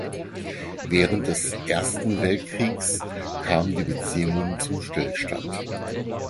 Während des Ersten Weltkriegs kamen die Beziehungen zum Stillstand.